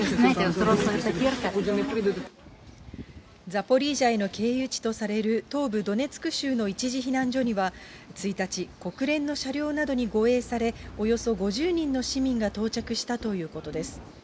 ザポリージャへの経由地とされる、東部ドネツク州の一時避難所には１日、国連の車両などに護衛され、およそ５０人の市民が到着したということです。